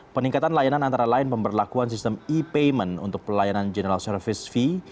peningkatan layanan antara lain pemberlakuan sistem e payment untuk pelayanan general service fee